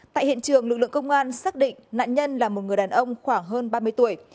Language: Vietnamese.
tại hiện trường lực lượng công an xác định nạn nhân là một người đàn ông khoảng hơn ba mươi tuổi